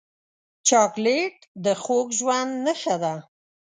چاکلېټ د خوږ ژوند نښه ده.